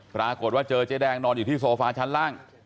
ปรากฏว่าเจอเจ๊แดงนอนอยู่ที่โซฟาชั้นล่าง